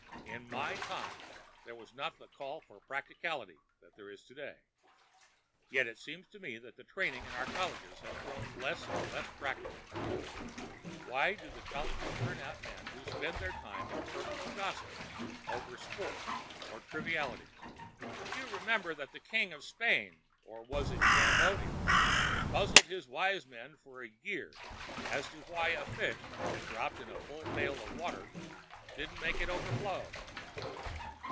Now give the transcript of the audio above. In my time there was not the call for practicality that there is today. Yet it seems to me that the training in our colleges has grown less and less practical. Why do the colleges turn out men who spend their time in personal gossip over sport or trivialities?" "You remember that the King of Spain—or was it Cambodia—puzzled his wise men for a year as to why a fish, when dropped into a full pail of water, didn't make it overflow."